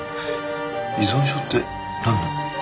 依存症ってなんの？